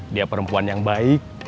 dia perempuan yang baik